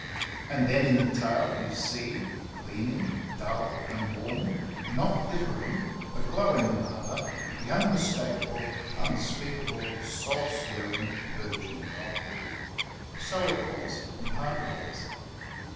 And then in the tail you see gleaming, dull and warm, not glittering, but glowing rather, the unmistakable, unspeakable, soul stirring virgin gold. 487 ISLANDS OF THE PACIFIC So it was with Hargraves.